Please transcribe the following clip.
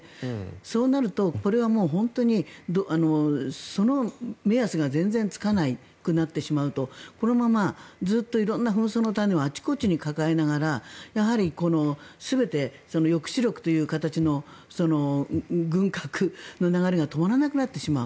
そうなるとこれは本当にその目安が全然つかなくなってしまうとこのままずっと色んな紛争の種をあちこちに抱えながら全て抑止力という形の軍拡の流れが止まらなくなってしまう。